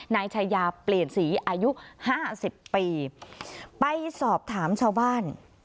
นายชายาเปลี่ยนสีอายุห้าสิบปีไปสอบถามชาวบ้าน